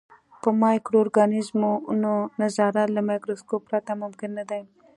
په مایکرو ارګانیزمونو نظارت له مایکروسکوپ پرته ممکن نه دی.